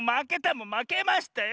もうまけましたよ！